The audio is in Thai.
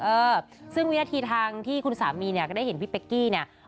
เออซึ่งวินาทีทางที่คุณสามีเนี่ยก็ได้เห็นพี่เป๊กกี้เนี่ย